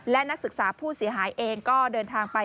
และนักศึกษาผู้เสียหายเองก็เดินทางไป